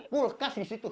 kulkas di situ